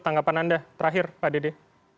tanggapan anda terakhir pak dede